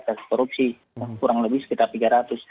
kasus korupsi kurang lebih sekitar tiga ratus